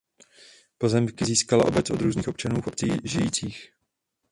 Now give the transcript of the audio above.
Pozemky získala obec od různých občanů v obci žijících.